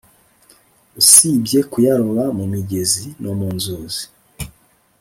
Usibye kuyaroba mu migezi, no nzuzi